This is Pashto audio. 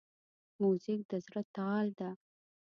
موزیک د زړه تال ده.